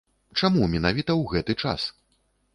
Чаму менавіта ў гэты час?